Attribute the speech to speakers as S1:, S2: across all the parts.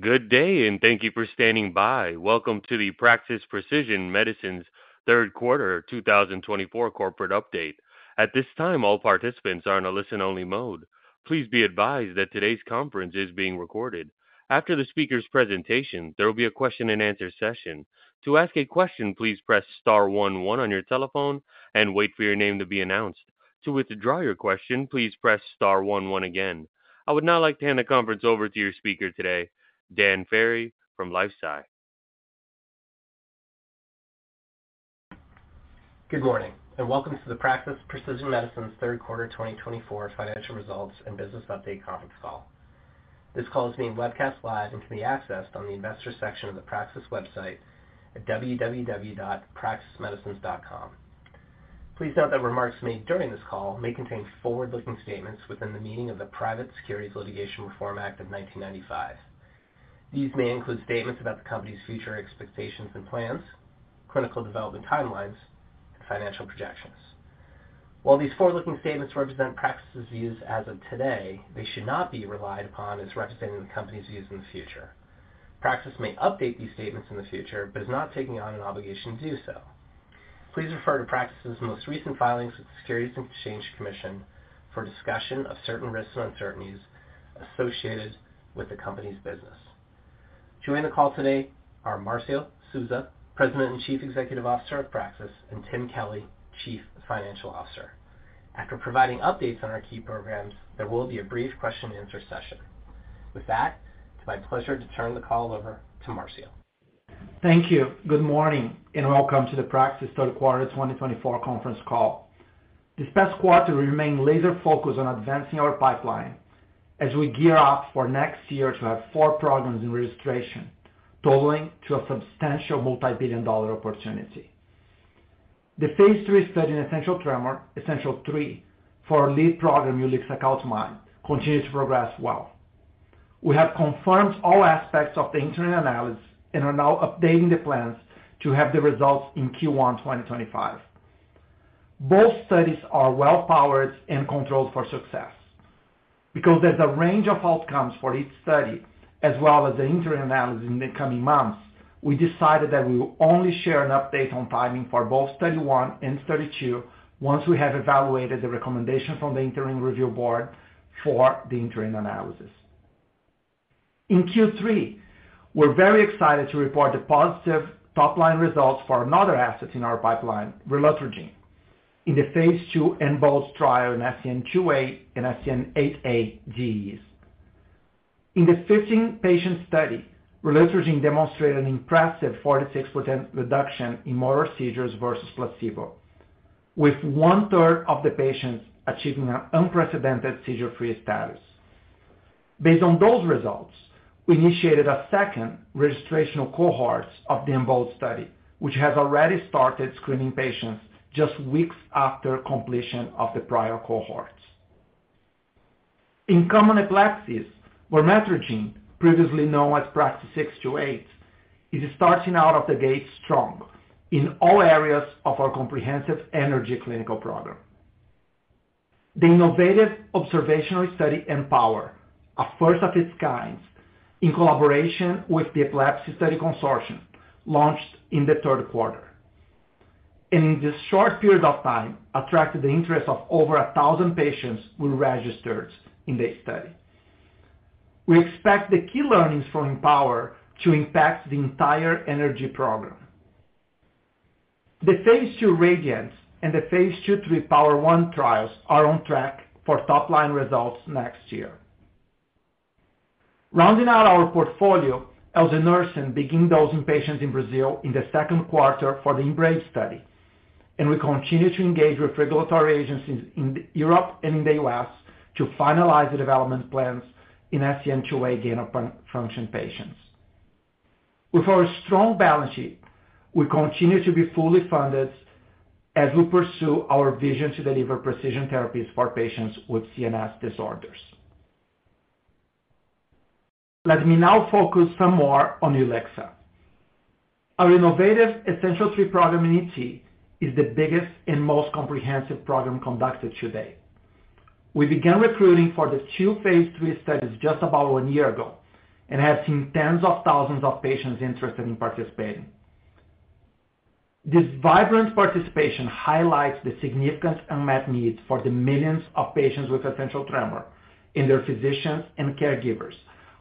S1: Good day, and thank you for standing by. Welcome to the Praxis Precision Medicines Q3 2024 corporate update. At this time, all participants are in a listen-only mode. Please be advised that today's conference is being recorded. After the speaker's presentation, there will be a question-and-answer session. To ask a question, please press star one one on your telephone and wait for your name to be announced. To withdraw your question, please press star one one again. I would now like to hand the conference over to your speaker today, Dan Ferry from LifeSci.
S2: Good morning, and welcome to the Praxis Precision Medicines Q3 2024 financial results and business update conference call. This call is being webcast live and can be accessed on the investor section of the Praxis website at www.praxismedicines.com. Please note that remarks made during this call may contain forward-looking statements within the meaning of the Private Securities Litigation Reform Act of 1995. These may include statements about the company's future expectations and plans, clinical development timelines, and financial projections. While these forward-looking statements represent Praxis's views as of today, they should not be relied upon as representing the company's views in the future. Praxis may update these statements in the future but is not taking on an obligation to do so. Please refer to Praxis's most recent filings with the Securities and Exchange Commission for discussion of certain risks and uncertainties associated with the company's business. Joining the call today are Marcio Souza, President and Chief Executive Officer of Praxis, and Tim Kelly, Chief Financial Officer. After providing updates on our key programs, there will be a brief question-and-answer session. With that, it's my pleasure to turn the call over to Marcio.
S3: Thank you. Good morning and welcome to the Praxis Q3 2024 conference call. This past quarter, we remained laser-focused on advancing our pipeline as we gear up for next year to have four programs in registration, totaling to a substantial multi-billion dollar opportunity. The phase III study in essential tremor Essential3 for our lead program, ulixacaltamide, continues to progress well. We have confirmed all aspects of the interim analysis and are now updating the plans to have the results in Q1 2025. Both studies are well-powered and controlled for success. Because there's a range of outcomes for each study as well as the interim analysis in the coming months, we decided that we will only share an update on timing for both Study 1 and Study 2 once we have evaluated the recommendation from the interim review board for the interim analysis. In Q3, we're very excited to report the positive top-line results for another asset in our pipeline, relutrigine, in the phase II EMBOLD trial in SCN2A and SCN8A GEs. In the 15-patient study, relutrigine demonstrated an impressive 46% reduction in moderate seizures versus placebo, with one-third of the patients achieving an unprecedented seizure-free status. Based on those results, we initiated a second registration of cohorts of the EMBOLD study, which has already started screening patients just weeks after completion of the prior cohorts. In common epilepsies, vermetrogene, previously known as Praxis 628, is starting out of the gate strong in all areas of our comprehensive ENERGY clinical program. The innovative observational study EMPOWER, a first of its kind in collaboration with the Epilepsy Study Consortium, launched in the third quarter, and in this short period of time, attracted the interest of over 1,000 patients who registered in the study. We expect the key learnings from EMPOWER to impact the entire ENERGY program. The phase II RADIANT and the phase II/III POWER 1 trials are on track for top-line results next year. Rounding out our portfolio, elsanursen began dosing patients in Brazil in the second quarter for the EMBRAVE study, and we continue to engage with regulatory agencies in Europe and in the US to finalize the development plans in SCN2A gain-of-function patients. With our strong balance sheet, we continue to be fully funded as we pursue our vision to deliver precision therapies for patients with CNS disorders. Let me now focus some more on ulixacaltamide. Our innovative Essential3 program in ET is the biggest and most comprehensive program conducted today. We began recruiting for the two phase III studies just about one year ago and have seen tens of thousands of patients interested in participating. This vibrant participation highlights the significant unmet needs for the millions of patients with essential tremor and their physicians and caregivers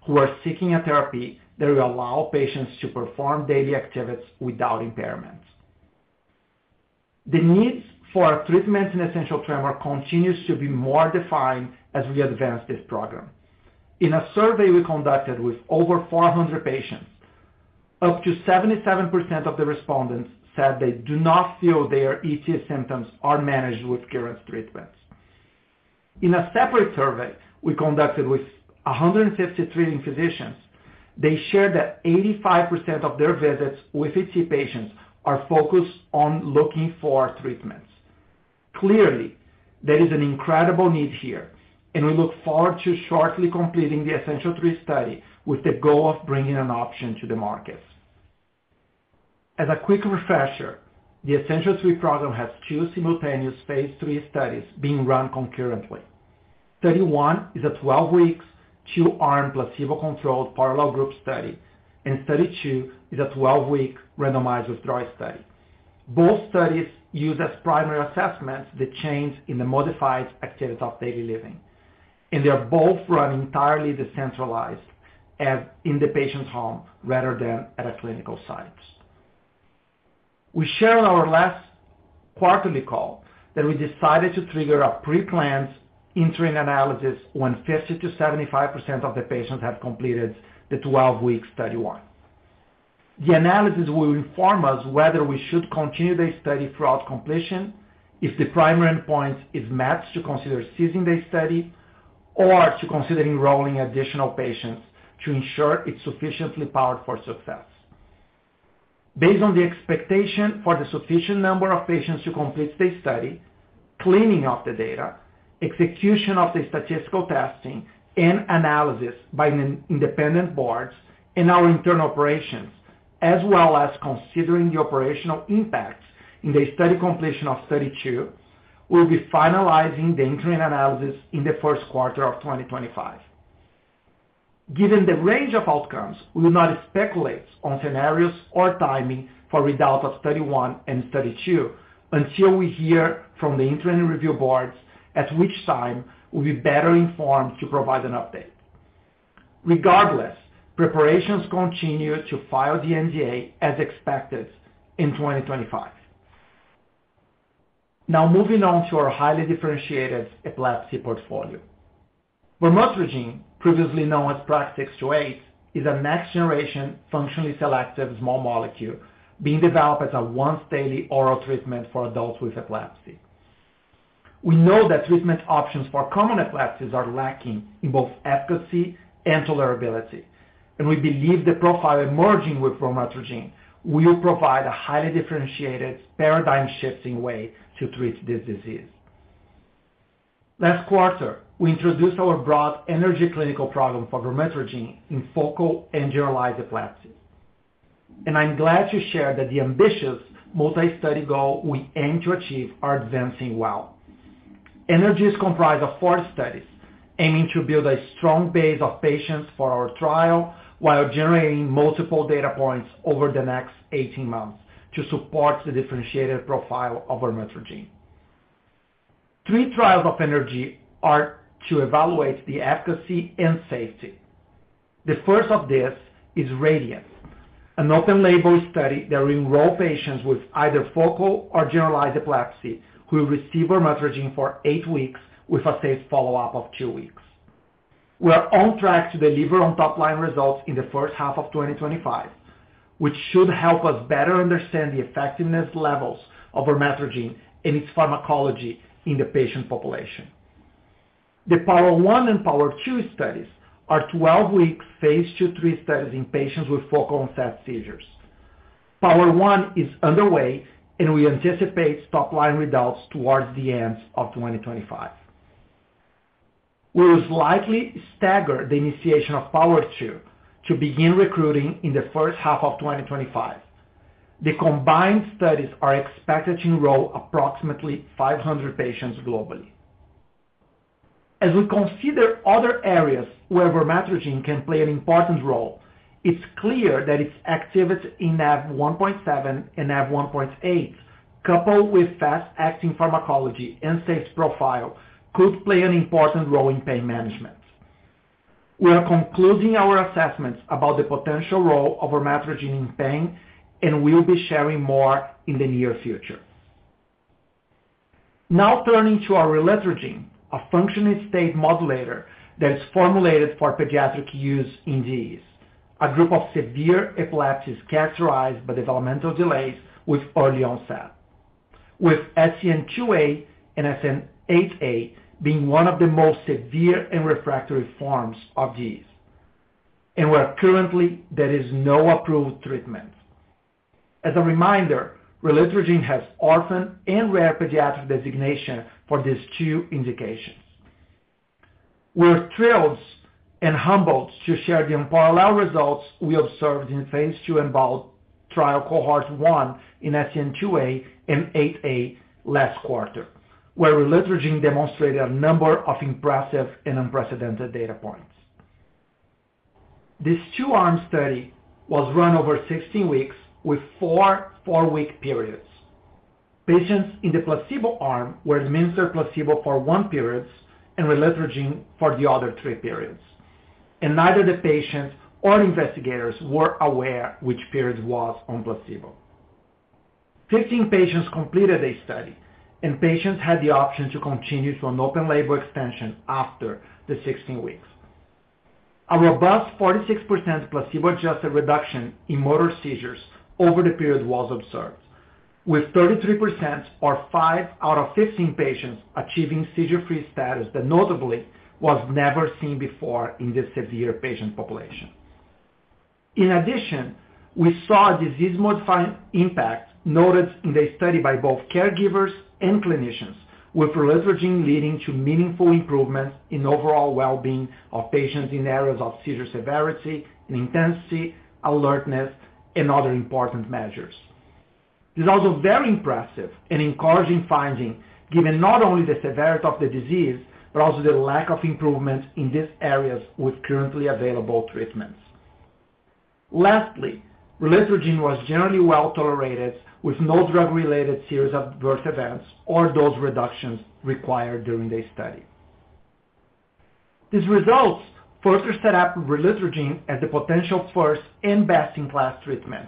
S3: who are seeking a therapy that will allow patients to perform daily activities without impairments. The needs for treatments in essential tremor continue to be more defined as we advance this program. In a survey we conducted with over 400 patients, up to 77% of the respondents said they do not feel their ET symptoms are managed with current treatments. In a separate survey we conducted with 150 treating physicians, they shared that 85% of their visits with ET patients are focused on looking for treatments. Clearly, there is an incredible need here, and we look forward to shortly completing the Essential3 study with the goal of bringing an option to the market. As a quick refresher, the Essential3 program has two simultaneous phase III studies being run concurrently. Study 1 is a 12-week two-arm placebo-controlled parallel group study, and Study 2 is a 12-week randomized withdrawal study. Both studies use as primary assessments the change in the modified activities of daily living, and they are both run entirely decentralized in the patient's home rather than at a clinical site. We shared on our last quarterly call that we decided to trigger a pre-planned interim analysis when 50%-75% of the patients have completed the 12-week Study 1. The analysis will inform us whether we should continue the study throughout completion if the primary endpoint is met to consider ceasing the study or to consider enrolling additional patients to ensure it's sufficiently powered for success. Based on the expectation for the sufficient number of patients to complete the study, cleaning of the data, execution of the statistical testing and analysis by independent boards and our internal operations, as well as considering the operational impact in the study completion of Study 2, we'll be finalizing the interim analysis in the first quarter of 2025. Given the range of outcomes, we will not speculate on scenarios or timing for readout of Study 1 and Study 2 until we hear from the interim review boards at which time we'll be better informed to provide an update. Regardless, preparations continue to file the NDA as expected in 2025. Now, moving on to our highly differentiated epilepsy portfolio. vermetrogene, previously known as PRAX-628, is a next-generation functionally selective small molecule being developed as a once-daily oral treatment for adults with epilepsy. We know that treatment options for common epilepsies are lacking in both efficacy and tolerability, and we believe the profile emerging with PRAX-628 will provide a highly differentiated, paradigm-shifting way to treat this disease. Last quarter, we introduced our broad ENERGY clinical program for PRAX-628 in focal and generalized epilepsies, and I'm glad to share that the ambitious multi-study goal we aim to achieve is advancing well. ENERGY is comprised of four studies aiming to build a strong base of patients for our trial while generating multiple data points over the next 18 months to support the differentiated profile of PRAX-628. Three trials of ENERGY are to evaluate the efficacy and safety. The first of these is RADIANT, an open-label study that will enroll patients with either focal or generalized epilepsy who will receive PRAX-628 for eight weeks with a safe follow-up of two weeks. We are on track to deliver on top-line results in the first half of 2025, which should help us better understand the effectiveness levels of PRAX-628 and its pharmacology in the patient population. The POWER 1 and POWER 2 studies are 12-week phase II/III studies in patients with focal onset seizures. POWER 1 is underway, and we anticipate top-line results towards the end of 2025. We will likely stagger the initiation of POWER 2 to begin recruiting in the first half of 2025. The combined studies are expected to enroll approximately 500 patients globally. As we consider other areas where PRAX-628 can play an important role, it's clear that its activity in NaV1.7 and NaV1.8, coupled with fast-acting pharmacology and safe profile, could play an important role in pain management. We are concluding our assessments about the potential role of vermetrogene in pain, and we'll be sharing more in the near future. Now, turning to our relutrigine, a functioning state modulator that is formulated for pediatric use in DEs, a group of severe epilepsies characterized by developmental delays with early onset, with SCN2A and SCN8A being one of the most severe and refractory forms of DEs, and where currently there is no approved treatment. As a reminder, relutrigine has orphan and rare pediatric designation for these two indications. We are thrilled and humbled to share the parallel results we observed in phase II EMBOLD trial cohort one in SCN2A and 8A last quarter, where relutrigine for the other three periods, and neither the patient or investigators were aware which period was on placebo. 15 patients completed the study, and patients had the option to continue to an open-label extension after the 16 weeks. A robust 46% placebo-adjusted reduction in moderate seizures over the period was observed, with 33% or five out of 15 patients achieving seizure-free status that notably was never seen before in this severe patient population. In addition, we saw a disease-modifying impact noted in the study by both caregivers and clinicians, with relutrigine leading to meaningful improvements in overall well-being of patients in areas of seizure severity and intensity, alertness, and other important measures. This is also very impressive and encouraging finding given not only the severity of the disease but also the lack of improvement in these areas with currently available treatments. Lastly, relutrigine was generally well tolerated with no drug-related serious adverse events or dose reductions required during the study. These results further set up relutrigine as the potential first and best-in-class treatment,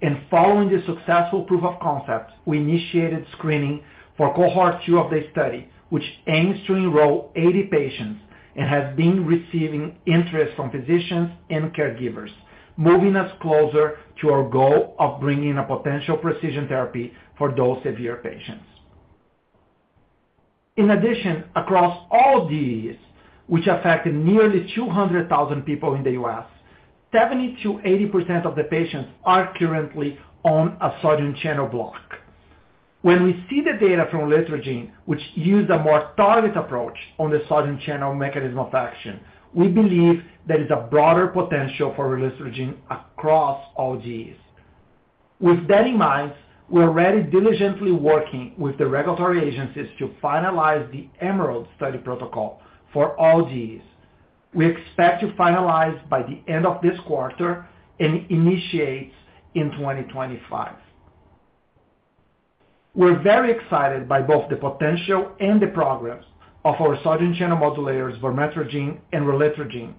S3: and following the successful proof of concept, we initiated screening for cohort two of the study, which aims to enroll 80 patients and has been receiving interest from physicians and caregivers, moving us closer to our goal of bringing a potential precision therapy for those severe patients. In addition, across all DEs, which affect nearly 200,000 people in the U.S., 70%-80% of the patients are currently on a sodium channel block. When we see the data from relutrigine, which used a more targeted approach on the sodium channel mechanism of action, we believe there is a broader potential for relutrigine across all DEs. With that in mind, we're already diligently working with the regulatory agencies to finalize the EMERALD study protocol for all DEs. We expect to finalize by the end of this quarter and initiate in 2025. We're very excited by both the potential and the progress of our sodium channel modulators, vermetrogene and relutrigine,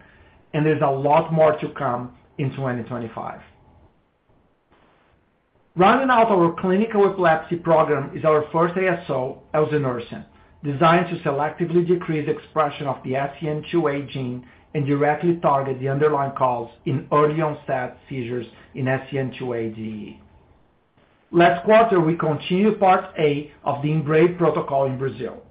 S3: and there's a lot more to come in 2025. Rounding out our clinical epilepsy program is our first ASO, elsanursen, designed to selectively decrease expression of the SCN2A gene and directly target the underlying cause in early onset seizures in SCN2A DE. Last quarter, we continued part A of the EMBRAVE protocol in Brazil.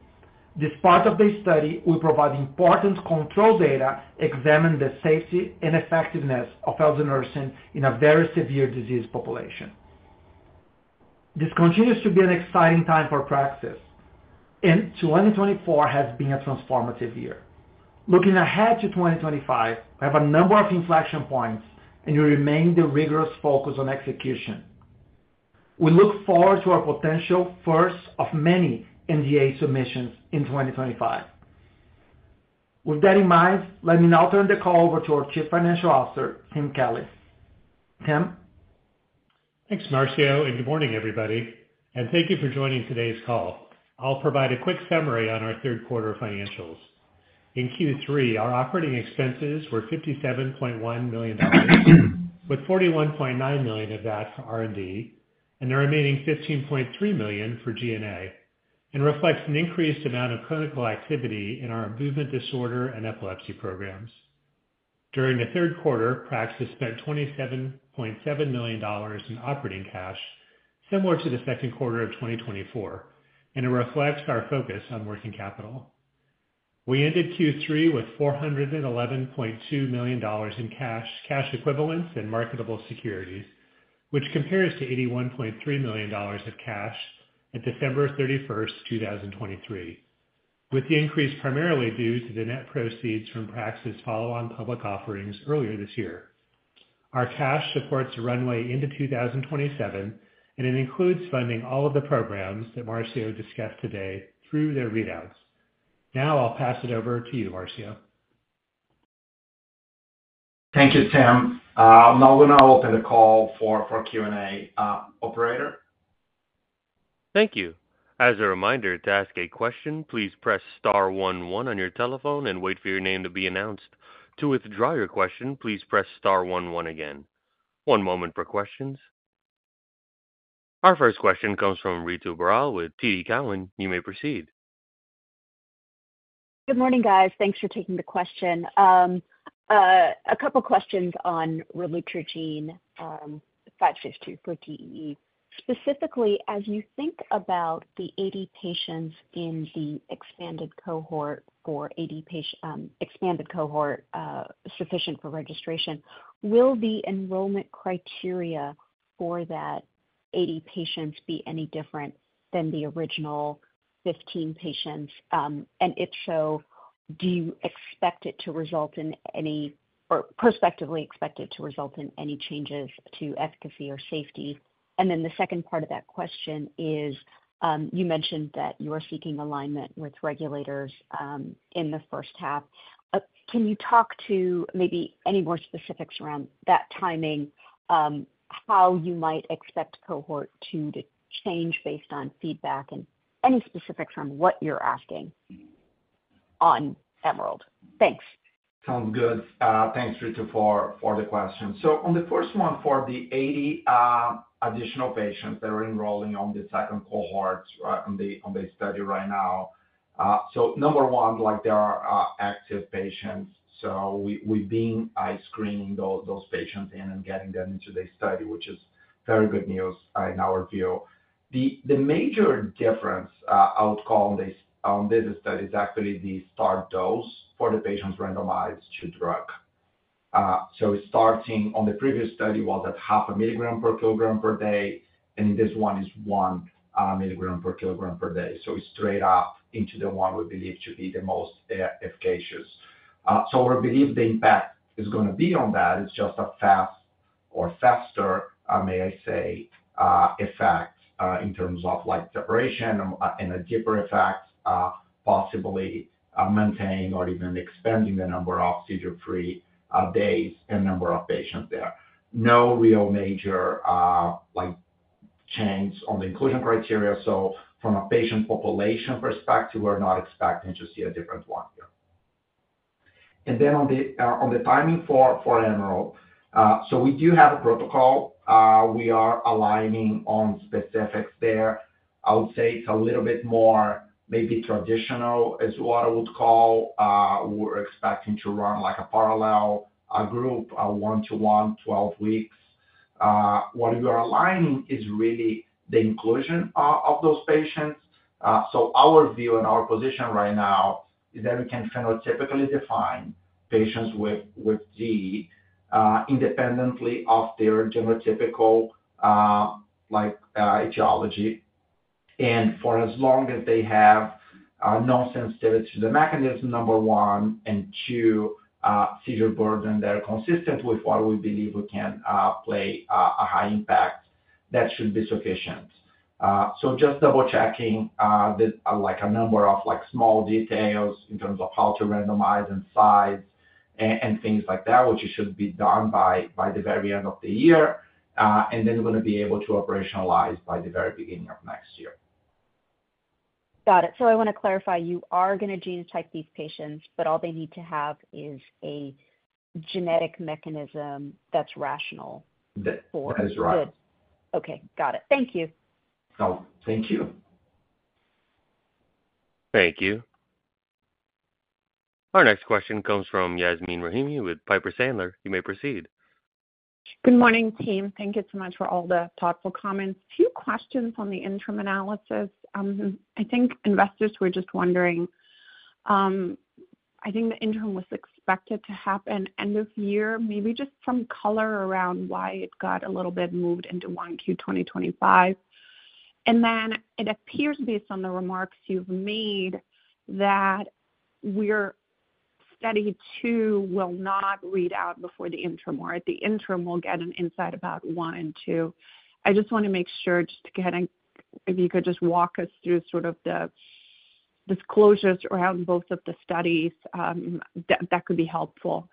S3: This part of the study will provide important control data examining the safety and effectiveness of elsanursen in a very severe disease population. This continues to be an exciting time for Praxis, and 2024 has been a transformative year. Looking ahead to 2025, we have a number of inflection points, and we remain in the rigorous focus on execution. We look forward to our potential first of many NDA submissions in 2025. With that in mind, let me now turn the call over to our Chief Financial Officer, Tim Kelly. Tim?
S4: Thanks, Marcio, and good morning, everybody, and thank you for joining today's call. I'll provide a quick summary on our third quarter financials. In Q3, our operating expenses were $57.1 million, with $41.9 million of that for R&D and the remaining $15.3 million for G&A, and reflects an increased amount of clinical activity in our movement disorder and epilepsy programs. During the third quarter, Praxis spent $27.7 million in operating cash, similar to the second quarter of 2024, and it reflects our focus on working capital. We ended Q3 with $411.2 million in cash, cash equivalents, and marketable securities, which compares to $81.3 million of cash at December 31, 2023, with the increase primarily due to the net proceeds from Praxis's follow-on public offerings earlier this year. Our cash supports a runway into 2027, and it includes funding all of the programs that Marcio discussed today through their readouts. Now, I'll pass it over to you, Marcio. Thank you, Tim. Now, we're open the call for Q&A, operator. Thank you.
S1: As a reminder, to ask a question, please press star one one on your telephone and wait for your name to be announced. To withdraw your question, please press star one one again. One moment for questions. Our first question comes from Ritu Baral with TD Cowen. You may proceed.
S5: Good morning, guys. Thanks for taking the question. A couple of questions on relutrigine 562 for DEE. Specifically, as you think about the 80 patients in the expanded cohort for 80 patients, expanded cohort sufficient for registration, will the enrollment criteria for that 80 patients be any different than the original 15 patients? And if so, do you expect it to result in any, or prospectively expect it to result in any changes to efficacy or safety? And then the second part of that question is you mentioned that you are seeking alignment with regulators in the first half. Can you talk to maybe any more specifics around that timing, how you might expect cohort two to change based on feedback and any specifics from what you're asking on EMERALD? Thanks.
S3: Sounds good. Thanks, Ritu, for the question. So on the first one for the 80 additional patients that are enrolling on the second cohort on the study right now, so number one, there are active patients. So we've been screening those patients in and getting them into the study, which is very good news in our view. The major difference I would call on this study is actually the start dose for the patients randomized to drug. So starting on the previous study was at half a milligram per kilogram per day, and this one is one milligram per kilogram per day. So it's straight up into the one we believe to be the most efficacious. So we believe the impact is going to be on that. It's just a fast or faster, may I say, effect in terms of separation and a deeper effect, possibly maintaining or even expanding the number of seizure-free days and number of patients there. No real major change on the inclusion criteria. So from a patient population perspective, we're not expecting to see a different one here. And then on the timing for EMERALD, so we do have a protocol. We are aligning on specifics there. I would say it's a little bit more maybe traditional is what I would call. We're expecting to run a parallel group, one to one, 12 weeks. What we are aligning is really the inclusion of those patients. So our view and our position right now is that we can phenotypically define patients with DEE independently of their genotypical etiology. For as long as they have no sensitivity to the mechanism, number one, and two, seizure burden that are consistent with what we believe we can play a high impact, that should be sufficient. So just double-checking a number of small details in terms of how to randomize and size and things like that, which should be done by the very end of the year, and then we're going to be able to operationalize by the very beginning of next year. Got it. So I want to clarify, you are going to genotype these patients, but all they need to have is a genetic mechanism that's rational for.
S5: That is right. Okay. Got it. Thank you. Thank you.
S1: Thank you. Our next question comes from Yasmeen Rahimi with Piper Sandler. You may proceed.
S6: Good morning, Tim. Thank you so much for all the thoughtful comments. A few questions on the interim analysis. I think investors were just wondering. I think the interim was expected to happen end of year, maybe just some color around why it got a little bit moved into 1Q 2025. And then it appears based on the remarks you've made that the study two will not read out before the interim, or at the interim, we'll get an insight about one and two. I just want to make sure just to get if you could just walk us through sort of the disclosures around both of the studies, that could be helpful.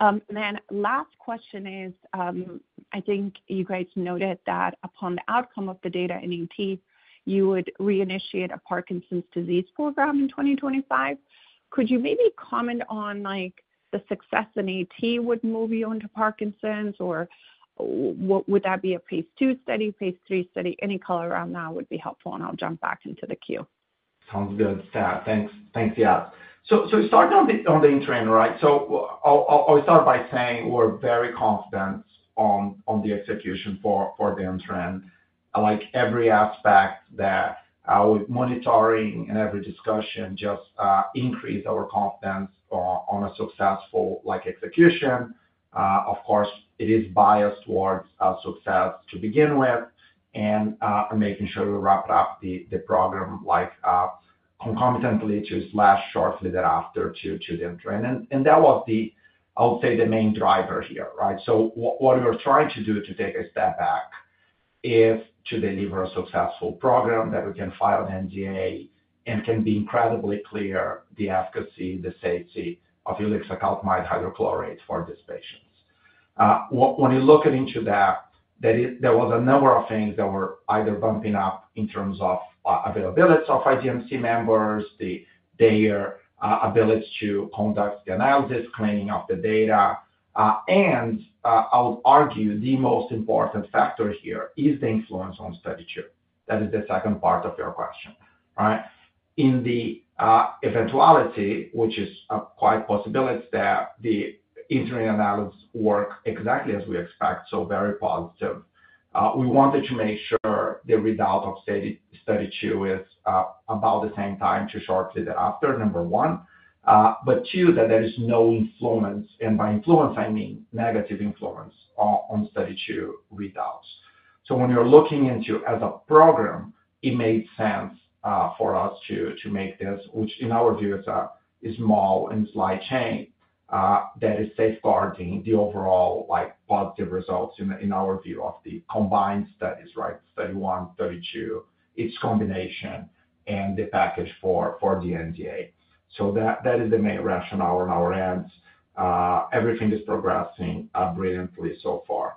S6: Then last question is, I think you guys noted that upon the outcome of the data in ET, you would reinitiate a Parkinson's disease program in 2025. Could you maybe comment on the success in AT would move you into Parkinson's, or would that be a phase II study, phase III study? Any color around that would be helpful, and I'll jump back into the queue.
S4: Sounds good. Thanks, yes. So starting on the interim, right? So I'll start by saying we're very confident on the execution for the interim. Every aspect that we're monitoring and every discussion just increased our confidence on a successful execution. Of course, it is biased towards success to begin with and making sure we wrap up the program concomitantly to slash shortly thereafter to the interim. And that was, I would say, the main driver here, right? So what we're trying to do, to take a step back, is to deliver a successful program that we can file an NDA and can be incredibly clear the efficacy, the safety of relutrigine hydrochloride for these patients. When you look into that, there was a number of things that were either bumping up in terms of availability of IDMC members, their ability to conduct the analysis, cleaning of the data. And I would argue the most important factor here is the influence on study two. That is the second part of your question, right? In the eventuality, which is quite a possibility, that the interim analysis worked exactly as we expect, so very positive. We wanted to make sure the readout of study two is about the same time to shortly thereafter, number one. But two, that there is no influence, and by influence, I mean negative influence on study two readouts. So when you're looking into it as a program, it made sense for us to make this, which in our view is a small and slight change that is safeguarding the overall positive results in our view of the combined studies, right? Study one, study two, its combination, and the package for the NDA. So that is the main rationale on our end. Everything is progressing brilliantly so far.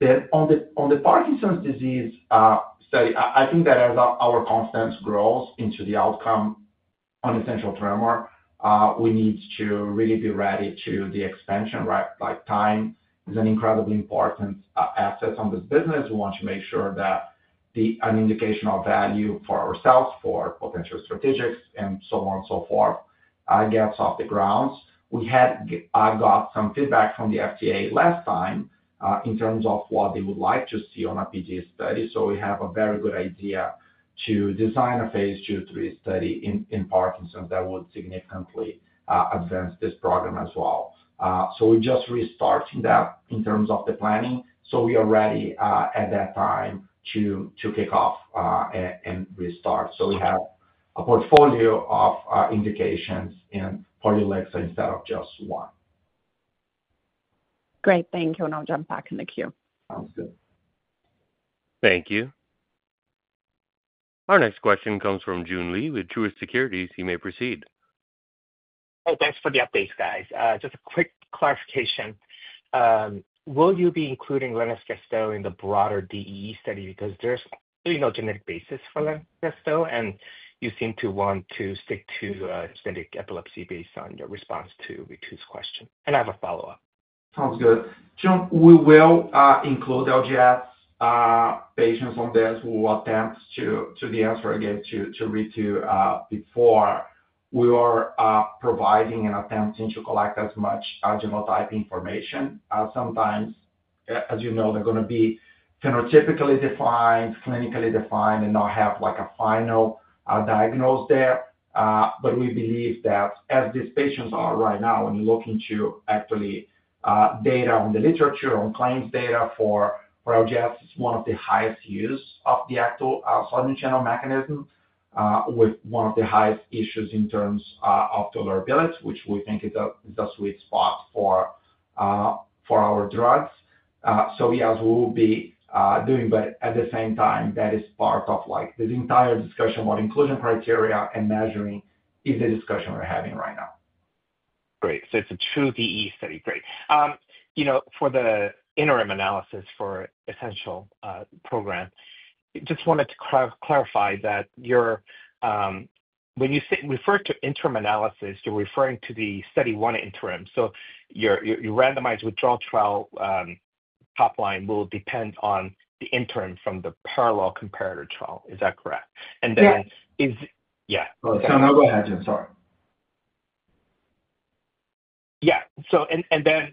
S4: Then on the Parkinson's disease study, I think that as our confidence grows into the outcome on essential tremor, we need to really be ready for the expansion, right? Time is an incredibly important asset on this business. We want to make sure that an indication of value for ourselves, for potential strategics, and so on and so forth gets off the ground. We had got some feedback from the FDA last time in terms of what they would like to see on a PD study. So we have a very good idea to design a phase II/III study in Parkinson's that would significantly advance this program as well. So we're just restarting that in terms of the planning. So we are ready at that time to kick off and restart. So we have a portfolio of indications in epilepsy instead of just one.
S6: Great. Thank you. And I'll jump back in the queue. Sounds good.
S1: Thank you. Our next question comes from Joon Lee with Truist Securities. You may proceed.
S7: Hey, thanks for the updates, guys. Just a quick clarification. Will you be including Lennox-Gastaut in the broader DEE study? Because there's really no genetic basis for Lennox-Gastaut, and you seem to want to stick to genetic epilepsy based on your response to Ritu's question. And I have a follow-up.
S3: Sounds good. We will include LGS patients on this who attempted to answer again to Ritu before. We are attempting to collect as much genotype information. Sometimes, as you know, they're going to be phenotypically defined, clinically defined, and not have a final diagnosis there. But we believe that as these patients are right now, when you look into actual data on the literature, on claims data for LGS, it's one of the highest use of the sodium channel mechanism with one of the highest issues in terms of tolerability, which we think is a sweet spot for our drugs. So yes, we will be doing that. At the same time, that is part of this entire discussion about inclusion criteria and measuring is the discussion we're having right now.
S7: Great. So it's a true DEE study. Great. For the interim analysis for essential program, just wanted to clarify that when you refer to interim analysis, you're referring to the study one interim. So your randomized withdrawal trial top line will depend on the interim from the parallel comparator trial. Is that correct? And then is yeah. No, go ahead. I'm sorry. Yeah. And then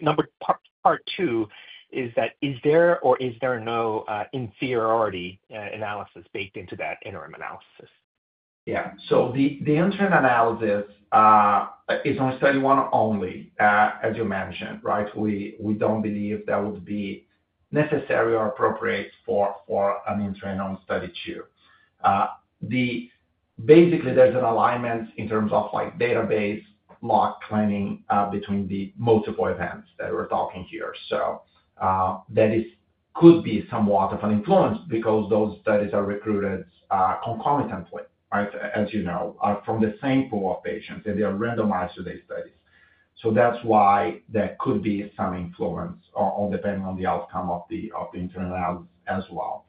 S7: part two is that is there or is there no inferiority analysis baked into that interim analysis?
S3: Yeah. So the interim analysis is on study one only, as you mentioned, right? We don't believe that would be necessary or appropriate for an interim on study two. Basically, there's an alignment in terms of database lock cleaning between the multiple events that we're talking here. So that could be somewhat of an influence because those studies are recruited concomitantly, right? As you know, from the same pool of patients, and they are randomized to these studies. So that's why there could be some influence depending on the outcome of the interim analysis as well.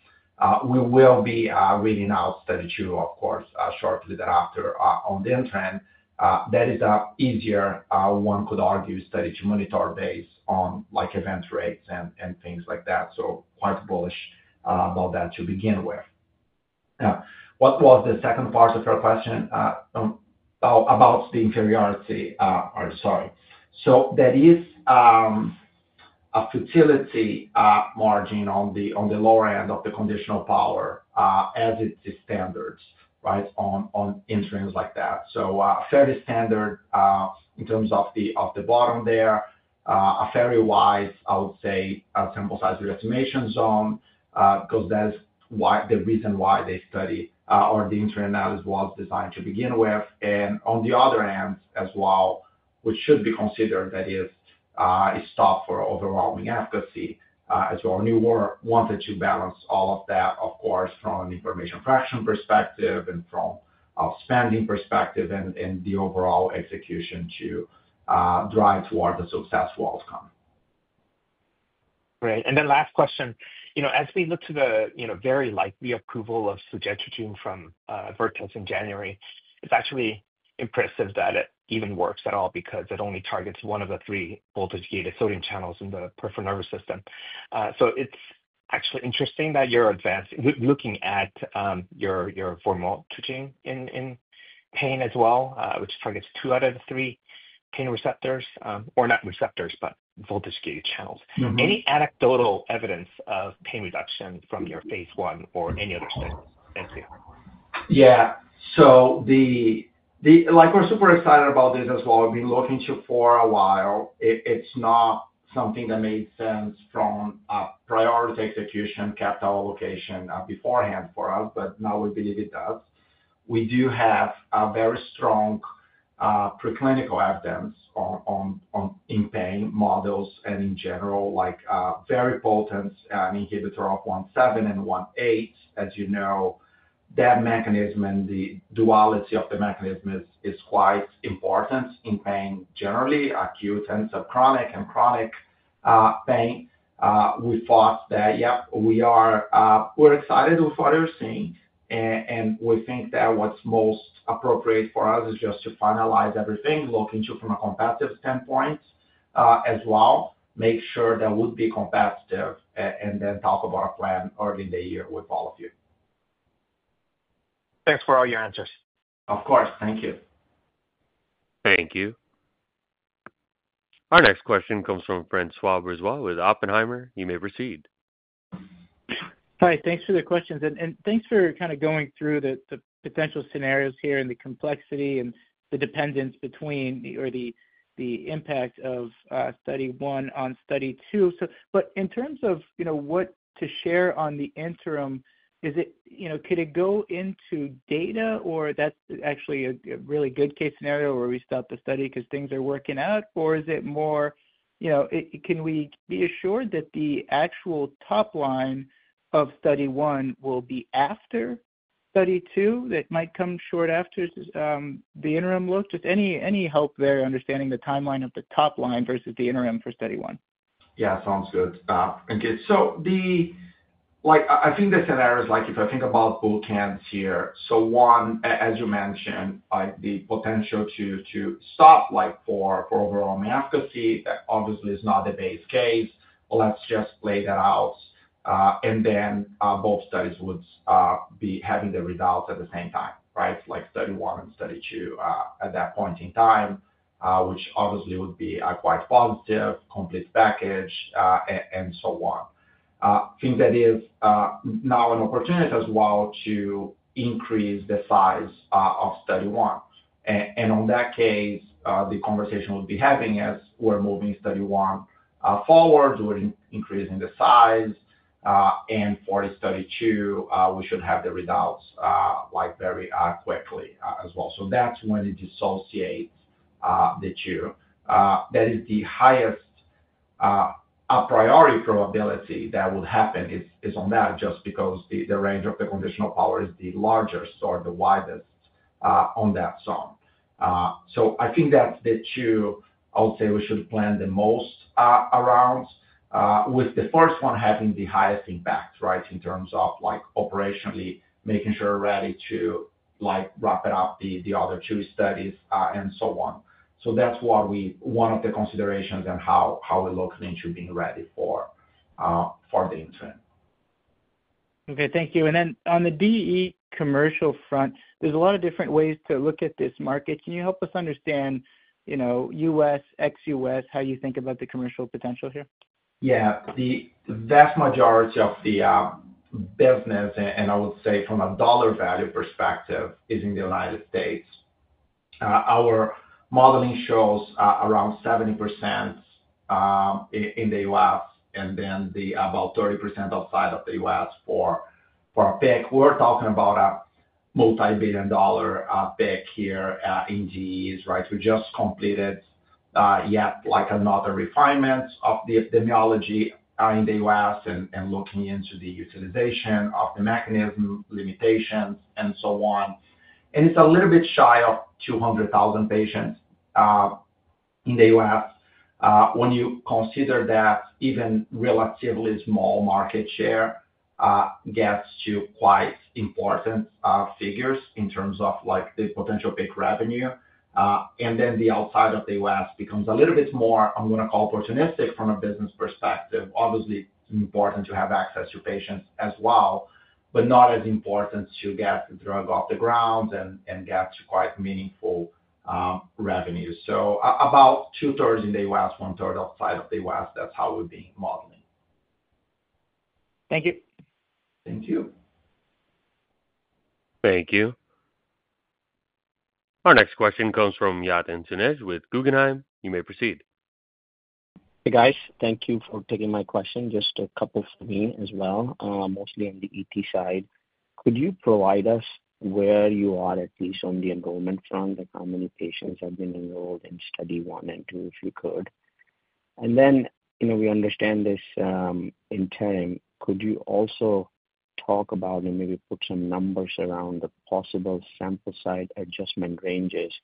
S3: We will be reading out study two, of course, shortly thereafter on the interim. That is an easier, one could argue, study to monitor based on event rates and things like that. So quite bullish about that to begin with. What was the second part of your question about the inferiority? Sorry. So that is a futility margin on the lower end of the conditional power as is the standard, right, on interims like that. So, fairly standard in terms of the bottom there, a fairly wide, I would say, sample size of the estimation zone because that is the reason why they study or the interim analysis was designed to begin with. And on the other end as well, which should be considered, that is, a stop for overwhelming efficacy as well. We wanted to balance all of that, of course, from an information fraction perspective and from a spending perspective and the overall execution to drive toward the successful outcome.
S7: Great. And then last question. As we look to the very likely approval of suzetrigine from Vertex in January, it's actually impressive that it even works at all because it only targets one of the three voltage-gated sodium channels in the peripheral nervous system. It's actually interesting that you're looking at your NaV1.7 and NaV1.8 targeting in pain as well, which targets two out of the three pain receptors, or not receptors, but voltage-gated channels. Any anecdotal evidence of pain reduction from your phase I or any other studies? Thank you.
S3: Yeah. We're super excited about this as well. We've been looking for a while. It's not something that made sense from a priority, execution, and capital allocation standpoint beforehand for us, but now we believe it does. We do have very strong preclinical evidence in pain models and in general, very potent inhibitor of NaV1.7 and NaV1.8, as you know. That mechanism and the duality of the mechanism is quite important in pain generally, acute and subchronic and chronic pain. We thought that, yep, we're excited with what we're seeing. We think that what's most appropriate for us is just to finalize everything, look into from a competitive standpoint as well, make sure that would be competitive, and then talk about a plan early in the year with all of you.
S7: Thanks for all your answers. Of course. Thank you.
S1: Thank you. Our next question comes from François Brisebois with Oppenheimer. You may proceed.
S8: Hi. Thanks for the questions. And thanks for kind of going through the potential scenarios here and the complexity and the dependence between or the impact of study one on study two. But in terms of what to share on the interim, could it go into data, or that's actually a really good case scenario where we stop the study because things are working out? Or is it more? Can we be assured that the actual top line of study one will be after study two that might come short after the interim look? Just any help there understanding the timeline of the top line versus the interim for study one?
S3: Yeah. Sounds good. Thank you. So I think the scenario is like if I think about boot camps here. So one, as you mentioned, the potential to stop for overall efficacy, that obviously is not the base case. Let's just play that out. And then both studies would be having the results at the same time, right? Like study one and study two at that point in time, which obviously would be quite positive, complete package, and so on. I think that is now an opportunity as well to increase the size of study one. In that case, the conversation we'll be having is we're moving study one forward, we're increasing the size, and for study two, we should have the results very quickly as well. So that's when it dissociates the two. That is the highest priority probability that would happen is on that just because the range of the conditional power is the largest or the widest on that zone. So I think that's the two I would say we should plan the most around with the first one having the highest impact, right, in terms of operationally making sure we're ready to wrap it up, the other two studies, and so on. So that's one of the considerations and how we're looking into being ready for the interim.
S8: Okay. Thank you. And then on the DEE commercial front, there's a lot of different ways to look at this market. Can you help us understand U.S., ex-U.S., how you think about the commercial potential here? Yeah. The vast majority of the business, and I would say from a dollar value perspective, is in the United States. Our modeling shows around 70% in the U.S. and then about 30% outside of the U.S. for a peak. We're talking about a multi-billion dollar peak here in DEEs, right?
S3: We just completed yet another refinement of the epidemiology in the U.S. and looking into the utilization of the mechanism, limitations, and so on. And it's a little bit shy of 200,000 patients in the U.S. When you consider that even relatively small market share gets to quite important figures in terms of the potential peak revenue. And then the outside of the U.S. becomes a little bit more, I'm going to call opportunistic from a business perspective. Obviously, it's important to have access to patients as well, but not as important to get the drug off the ground and get to quite meaningful revenue. So about 2/3 in the U.S., 1/3 outside of the U.S., that's how we've been modeling.
S8: Thank you. Thank you.
S1: Thank you. Our next question comes from Yatin Suneja with Guggenheim. You may proceed.
S9: Hey, guys. Thank you for taking my question. Just a couple for me as well, mostly on the ET side. Could you provide us where you are at least on the enrollment front and how many patients have been enrolled in study one and two if you could? And then we understand this interim. Could you also talk about and maybe put some numbers around the possible sample size adjustment ranges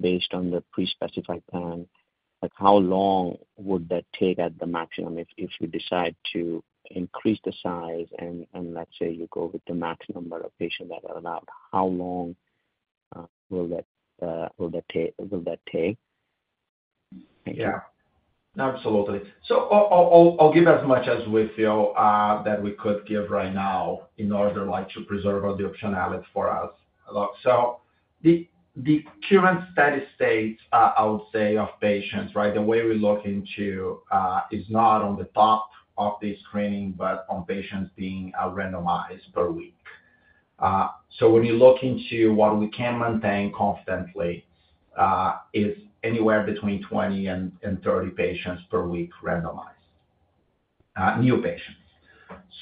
S9: based on the pre-specified plan? How long would that take at the maximum if you decide to increase the size? And let's say you go with the max number of patients that are allowed. How long will that take? Thank you.
S3: Yeah. Absolutely. So I'll give as much as we feel that we could give right now in order to preserve the optionality for us. So the current steady state, I would say, of patients, right, the way we look into is not on the top of the screening, but on patients being randomized per week. So when you look into what we can maintain confidently, it's anywhere between 20 and 30 patients per week randomized, new patients.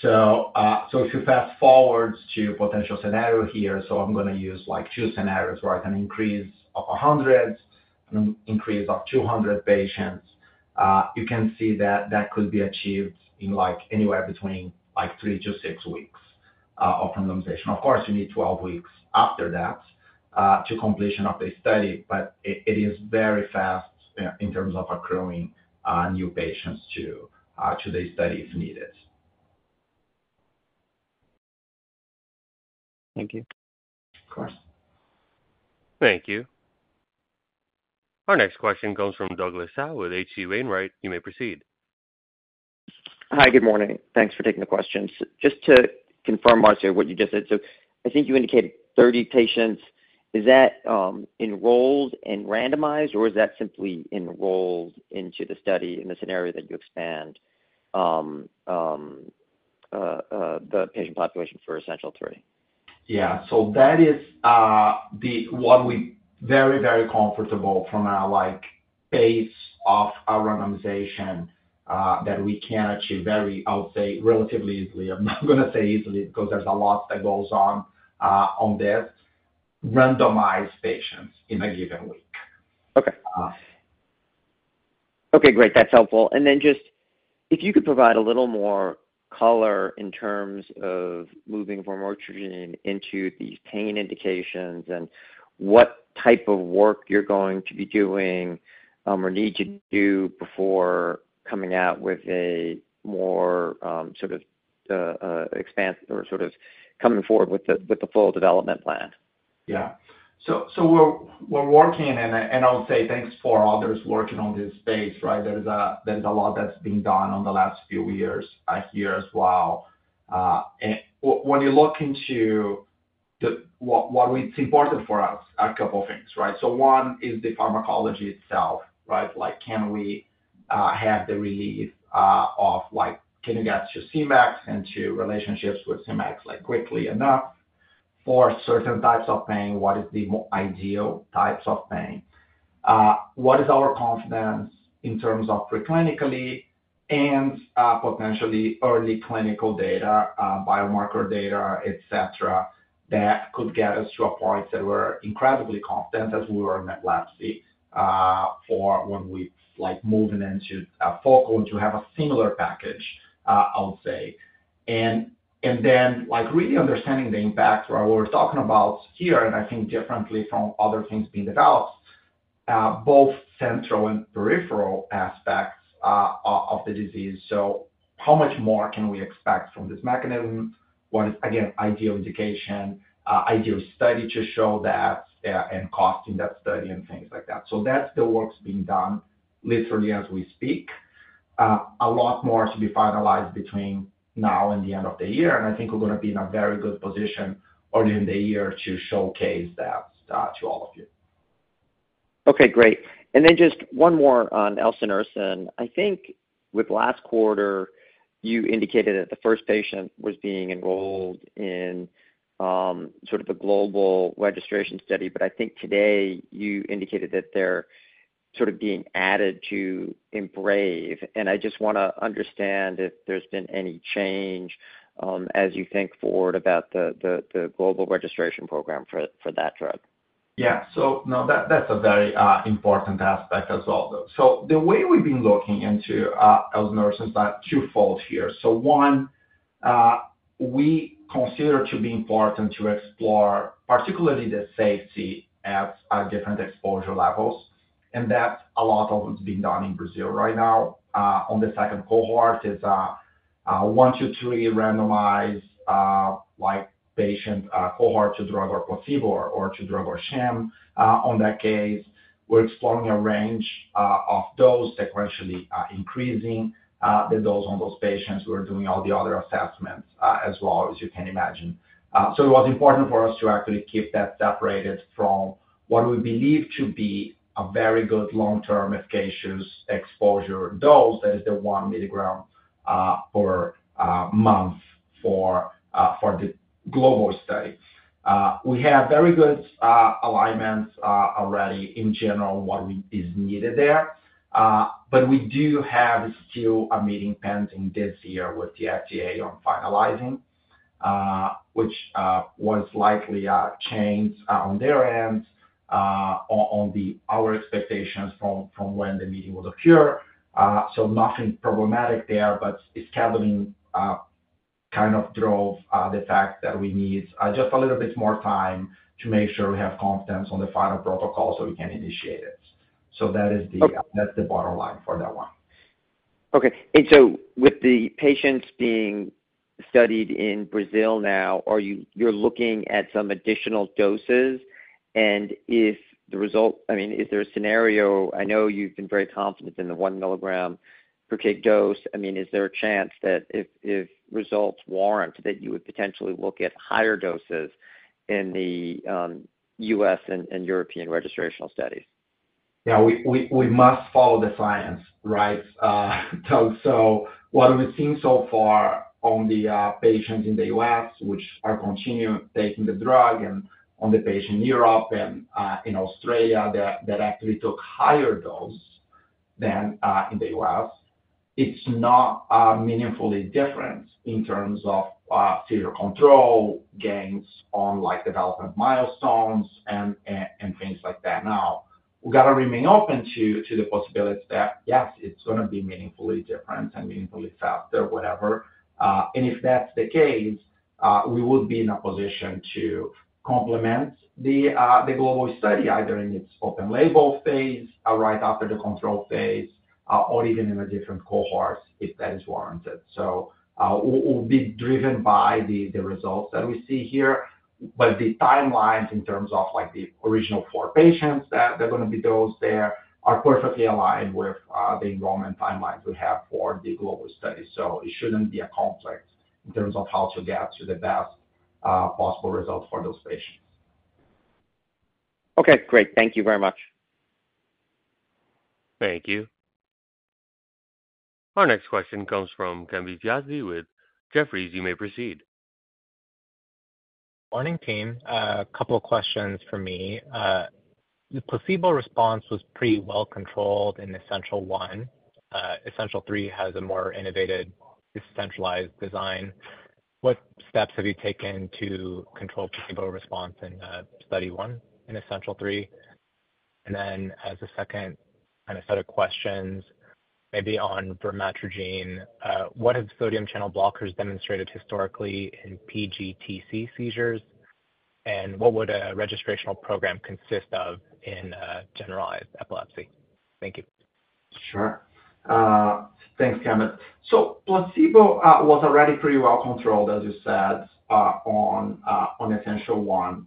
S3: So if you fast forward to potential scenario here, so I'm going to use two scenarios, right? An increase of 100, an increase of 200 patients. You can see that that could be achieved in anywhere between three to six weeks of randomization. Of course, you need 12 weeks after that to completion of the study, but it is very fast in terms of accruing new patients to the study if needed.
S9: Thank you. Of course.
S1: Thank you. Our next question comes from Douglas Tsao with H.C. Wainwright. You may proceed.
S10: Hi. Good morning. Thanks for taking the questions. Just to confirm, Marcio, what you just said. So I think you indicated 30 patients. Is that enrolled and randomized, or is that simply enrolled into the study in the scenario that you expand the patient population for essential three?
S3: Yeah. So that is what we're very, very comfortable from our base of our randomization that we can achieve very, I would say, relatively easily. I'm not going to say easily because there's a lot that goes on on this. Randomized patients in a given week.
S10: Okay. Okay. Great. That's helpful. And then just if you could provide a little more color in terms of moving from epilepsy into these pain indications and what type of work you're going to be doing or need to do before coming out with a more sort of expansion or sort of coming forward with the full development plan.
S3: Yeah. So we're working on it, and I would say thanks to others working on this space, right? There's a lot that's been done in the last few years here as well. When you look into what's important for us, a couple of things, right? So one is the pharmacology itself, right? Can we have the relief? Can you get to CNS and to relationships with CNS quickly enough for certain types of pain? What is the ideal types of pain? What is our confidence in terms of preclinically and potentially early clinical data, biomarker data, etc., that could get us to a point that we're incredibly confident that we were in that class for when we're moving into a focal to have a similar package, I would say, and then really understanding the impact where we're talking about here, and I think differently from other things being developed, both central and peripheral aspects of the disease, so how much more can we expect from this mechanism? What is, again, ideal indication, ideal study to show that and cost of that study and things like that, so that's the work being done literally as we speak. A lot more to be finalized between now and the end of the year. And I think we're going to be in a very good position early in the year to showcase that to all of you.
S10: Okay. Great. And then just one more on elsanursen. I think with last quarter, you indicated that the first patient was being enrolled in sort of a global registration study, but I think today you indicated that they're sort of being added to EMBRAVE. And I just want to understand if there's been any change as you think forward about the global registration program for that drug.
S3: Yeah. So no, that's a very important aspect as well. So the way we've been looking into elsanursen is two-fold here. So one, we consider it to be important to explore particularly the safety at different exposure levels. And that's a lot of what's being done in Brazil right now. On the second cohort is one, two, three randomized patient cohort to drug or placebo or to drug or sham on that case. We're exploring a range of those sequentially increasing the dose on those patients. We're doing all the other assessments as well as you can imagine. So it was important for us to actually keep that separated from what we believe to be a very good long-term efficacious exposure dose. That is the one milligram per month for the global study. We have very good alignments already in general on what is needed there. But we do have still a meeting pending this year with the FDA on finalizing, which was likely changed on their end or on our expectations from when the meeting would occur. So nothing problematic there, but scheduling kind of drove the fact that we need just a little bit more time to make sure we have confidence on the final protocol so we can initiate it. So that is the bottom line for that one.
S10: Okay. And so with the patients being studied in Brazil now, you're looking at some additional doses. And if the result, I mean, is there a scenario? I know you've been very confident in the one milligram per kg dose. I mean, is there a chance that if results warrant that you would potentially look at higher doses in the US and European registrational studies?
S3: Yeah. We must follow the science, right? So what we've seen so far on the patients in the US, which are continuing taking the drug, and on the patient in Europe and in Australia that actually took higher dose than in the US, it's not meaningfully different in terms of seizure control, gains on development milestones, and things like that. Now, we've got to remain open to the possibility that, yes, it's going to be meaningfully different and meaningfully faster, whatever. And if that's the case, we would be in a position to complement the global study either in its open label phase right after the control phase or even in a different cohort if that is warranted. So we'll be driven by the results that we see here. But the timelines in terms of the original four patients that are going to be dosed there are perfectly aligned with the enrollment timelines we have for the global study. So it shouldn't be a conflict in terms of how to get to the best possible result for those patients.
S11: Okay. Great. Thank you very much. Thank you. Our next question comes from Kambiz Yazdi with Jefferies. You may proceed. Morning, team. A couple of questions for me. The placebo response was pretty well controlled in Essential1. Essential3 has a more innovative decentralized design. What steps have you taken to control placebo response in Study 1 in Essential3? And then as a second, kind of set of questions, maybe on vermetrogene, what have sodium channel blockers demonstrated historically in PGTC seizures? And what would a registrational program consist of in generalized epilepsy? Thank you.
S3: Sure. Thanks, Kevin. So placebo was already pretty well controlled, as you said, on Essential1.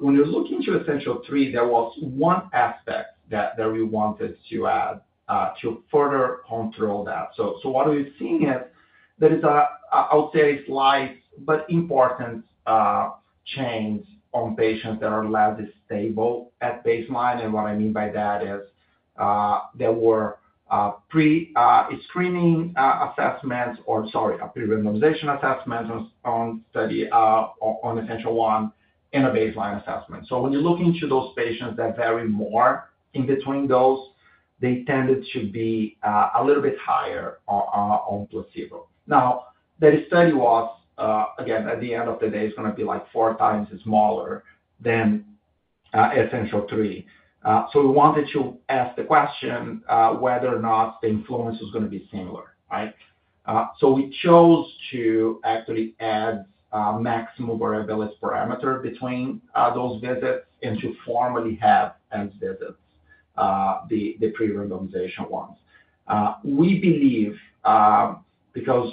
S3: When you look into Essential3, there was one aspect that we wanted to add to further control that. So what we've seen is there is, I would say, a slight but important change on patients that are less stable at baseline. And what I mean by that is there were pre-screening assessments or, sorry, a pre-randomization assessment on Essential1 and a baseline assessment. So when you look into those patients that vary more in between those, they tended to be a little bit higher on placebo. Now, that study was, again, at the end of the day, it's going to be like 4x smaller than Essential3. So we wanted to ask the question whether or not the influence was going to be similar, right? So we chose to actually add maximum variability parameter between those visits and to formally have end visits, the pre-randomization ones. We believe because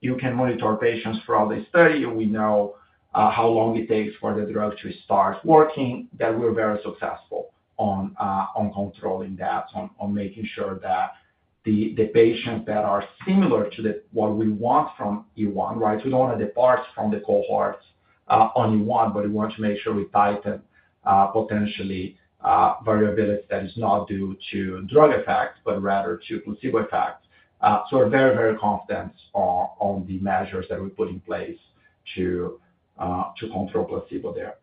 S3: you can monitor patients throughout the study, we know how long it takes for the drug to start working, that we were very successful on controlling that, on making sure that the patients that are similar to what we want from E1, right? We don't want to depart from the cohorts on E1, but we want to make sure we tighten potentially variability that is not due to drug effect, but rather to placebo effect. So we're very, very confident on the measures that we put in place to control placebo there.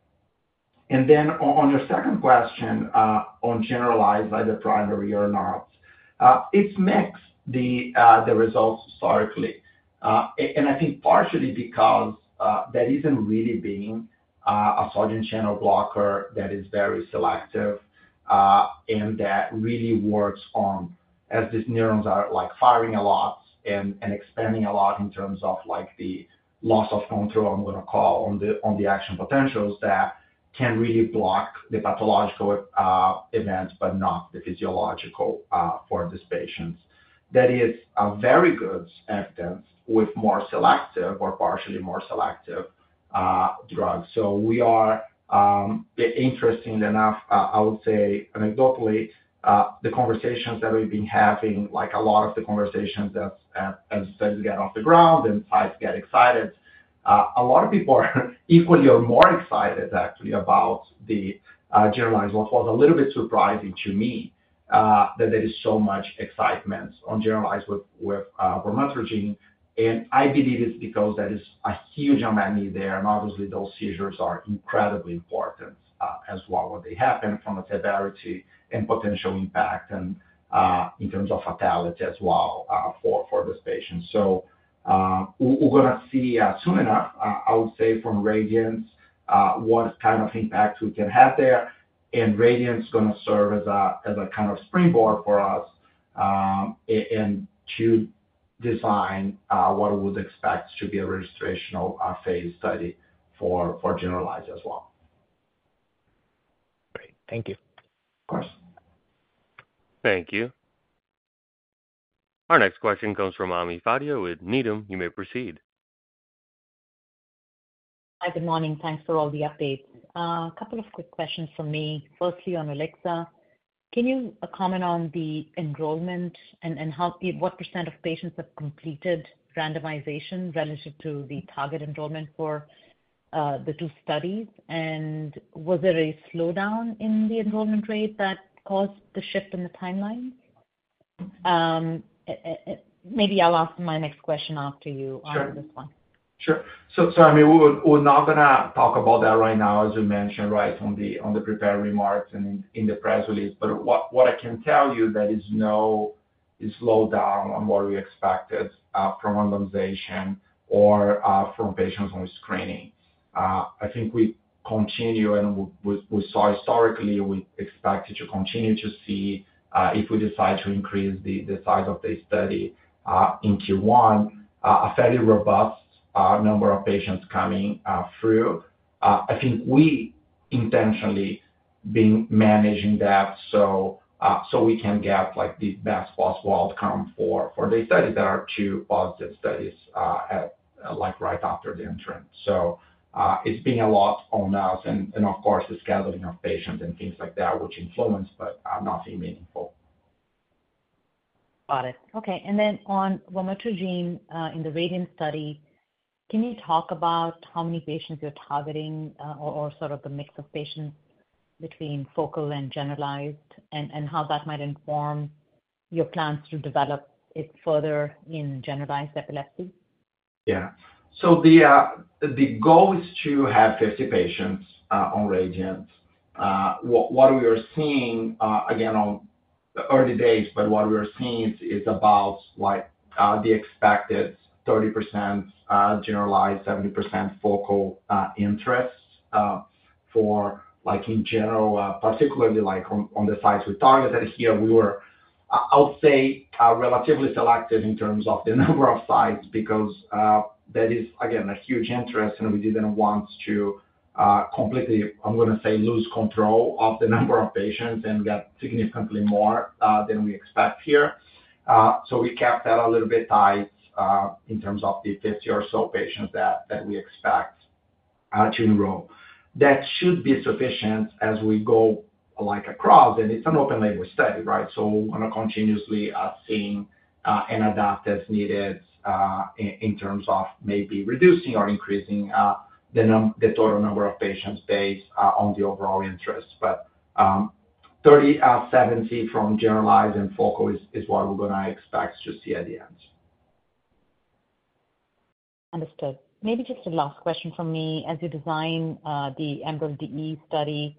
S3: And then on your second question on generalized either primary or not, it's mixed the results historically. I think partially because there isn't really being a sodium channel blocker that is very selective and that really works on as these neurons are firing a lot and expanding a lot in terms of the loss of control over the action potentials that can really block the pathological events, but not the physiological for these patients. That is very good evidence with more selective or partially more selective drugs. Interestingly enough, I would say anecdotally, the conversations that we've been having, like a lot of the conversations that as studies get off the ground and sites get excited, a lot of people are equally or more excited actually about the generalized one. It was a little bit surprising to me that there is so much excitement on generalized with vermetrogene. I believe it's because there is a huge unmet need there. And obviously, those seizures are incredibly important as well when they happen from a severity and potential impact and in terms of fatality as well for this patient. So we're going to see soon enough, I would say, from RADIANT what kind of impact we can have there. And RADIANT is going to serve as a kind of springboard for us and to design what we would expect to be a registrational phase study for generalized as well. Great. Thank you. Of course.
S1: Thank you. Our next question comes from Ami Fadia with Needham. You may proceed.
S12: Hi. Good morning. Thanks for all the updates. A couple of quick questions for me. Firstly, on ulixacaltamide, can you comment on the enrollment and what percentage of patients have completed randomization relative to the target enrollment for the two studies? And was there a slowdown in the enrollment rate that caused the shift in the timeline? Maybe I'll ask my next question after you on this one. Sure.
S3: Sure. So I mean, we're not going to talk about that right now, as you mentioned, right, on the prepared remarks and in the press release. But what I can tell you, that is, no slowdown on what we expected from randomization or from patients on screening. I think we continue and we saw historically we expected to continue to see if we decide to increase the size of the study in Q1, a fairly robust number of patients coming through. I think we intentionally been managing that so we can get the best possible outcome for the studies that are two positive studies right after the entrance. So it's been a lot on us. And of course, the scheduling of patients and things like that, which influenced, but nothing meaningful.
S12: Got it. Okay. And then on vermetrogene in the RADIANT study, can you talk about how many patients you're targeting or sort of the mix of patients between focal and generalized and how that might inform your plans to develop it further in generalized epilepsy?
S3: Yeah. So the goal is to have 50 patients on RADIANT. What we are seeing, again, on the early days, but what we are seeing is about the expected 30% generalized, 70% focal interest for in general, particularly on the sites we targeted here. We were, I would say, relatively selective in terms of the number of sites because that is, again, a huge interest. We didn't want to completely, I'm going to say, lose control of the number of patients and get significantly more than we expect here. So we kept that a little bit tight in terms of the 50 or so patients that we expect to enroll. That should be sufficient as we go across. And it's an open label study, right? So we're going to continuously see and adapt as needed in terms of maybe reducing or increasing the total number of patients based on the overall interest. But 30, 70 from generalized and focal is what we're going to expect to see at the end.
S12: Understood. Maybe just a last question from me. As you design the EMERALD study,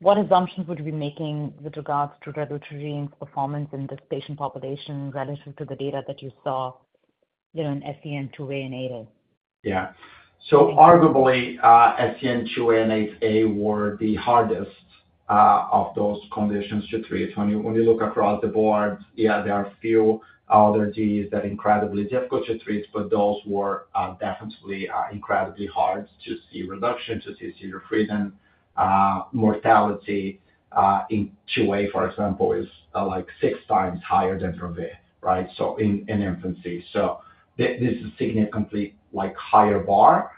S12: what assumptions would you be making with regards to reduction performance in this patient population relative to the data that you saw in SCN2A and SCN8A? Yeah.
S3: So arguably, SCN2A and SCN8A were the hardest of those conditions to treat. When you look across the board, yeah, there are a few other diseases that are incredibly difficult to treat, but those were definitely incredibly hard to see reduction, to see seizure freedom. Mortality in SCN8A, for example, is like 6x higher than in infancy. So this is a significantly higher bar.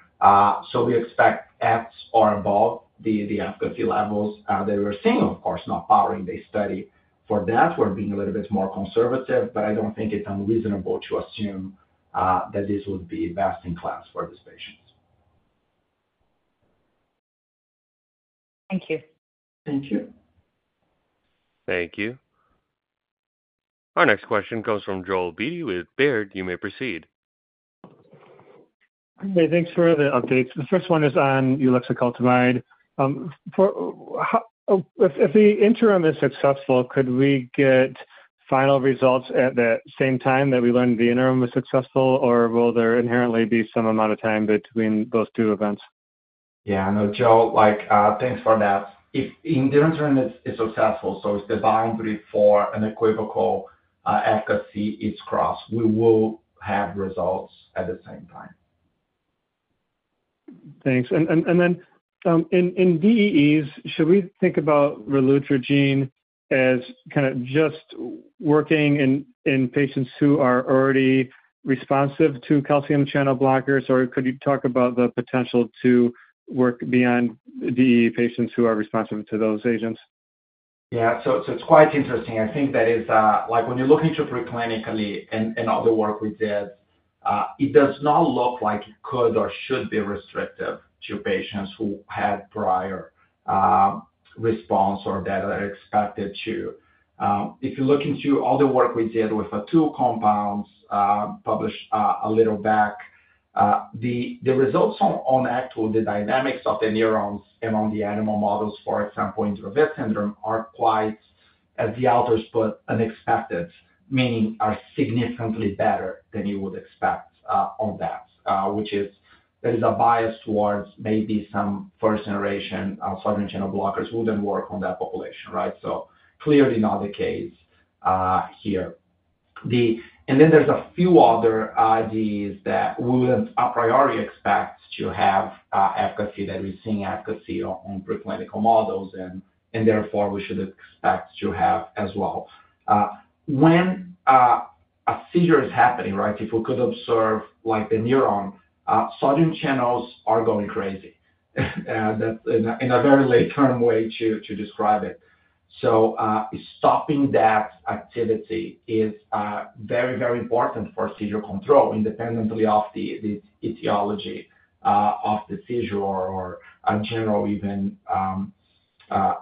S3: So we expect 50% or above the efficacy levels that we're seeing, of course, not powering the study. For that, we're being a little bit more conservative, but I don't think it's unreasonable to assume that this would be best in class for these patients.
S12: Thank you. Thank you.
S1: Thank you. Our next question comes from Joel Beatty with Baird. You may proceed.
S13: Thanks for the updates. The first one is on ulixacaltamide. If the interim is successful, could we get final results at the same time that we learned the interim was successful, or will there inherently be some amount of time between those two events?
S3: Yeah. No, Joel, thanks for that. If the interim is successful, so if the boundary for an unequivocal efficacy is crossed, we will have results at the same time.
S13: Thanks. And then in DEEs, should we think about relutrigine as kind of just working in patients who are already responsive to calcium channel blockers, or could you talk about the potential to work beyond DEE patients who are responsive to those agents?
S3: Yeah. So it's quite interesting. I think that is when you look into preclinically and other work we did, it does not look like it could or should be restrictive to patients who had prior response or that are expected to. If you look into all the work we did with the two compounds published a little back, the results on actually the dynamics of the neurons among the animal models, for example, in Dravet syndrome are quite, as the authors put, unexpected, meaning are significantly better than you would expect on that, which is there is a bias towards maybe some first-generation sodium channel blockers wouldn't work on that population, right? So clearly not the case here. And then there's a few other diseases that we wouldn't a priori expect to have efficacy that we're seeing efficacy on preclinical models, and therefore, we should expect to have as well. When a seizure is happening, right, if we could observe the neuron, sodium channels are going crazy. That's in a very lay term way to describe it. So stopping that activity is very, very important for seizure control independently of the etiology of the seizure or generalized